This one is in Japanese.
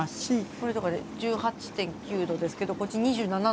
これとか１８．９℃ですけどこっち２７℃とか。